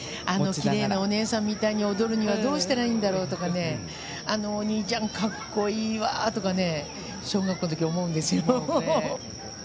きれいなお姉さんみたいに踊るにはどうしたらいいんだろうとかねあのお兄ちゃんかっこいいわとか小学校の時に思うんですよ。